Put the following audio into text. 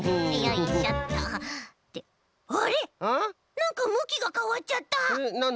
なんかむきがかわっちゃった！